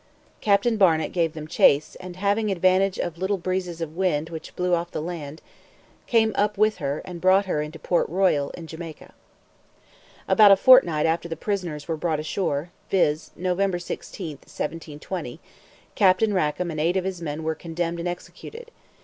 Captain Barnet gave them chase, and, having advantage of little breezes of wind which blew off the land, came up with her, and brought her into Port Royal, in Jamaica. About a fortnight after the prisoners were brought ashore, viz. November 16, 1720, Captain Rackam and eight of his men were condemned and executed.